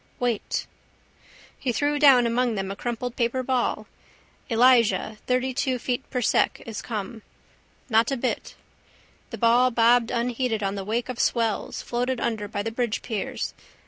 Wait. He threw down among them a crumpled paper ball. Elijah thirtytwo feet per sec is com. Not a bit. The ball bobbed unheeded on the wake of swells, floated under by the bridgepiers.